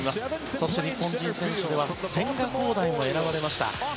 そして日本人選手では千賀滉大も選ばれました。